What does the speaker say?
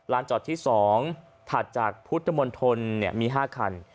จอดที่๒ถัดจากพุทธมนตรมี๕คัน